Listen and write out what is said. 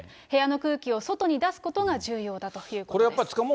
部屋の空気を外に出すことが重要だということです。